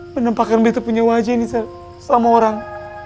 menampakkan bete punya wajah ini sama orang